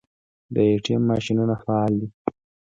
د ای ټي ایم ماشینونه فعال دي؟